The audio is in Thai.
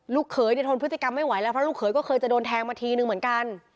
เขยเนี่ยทนพฤติกรรมไม่ไหวแล้วเพราะลูกเขยก็เคยจะโดนแทงมาทีนึงเหมือนกัน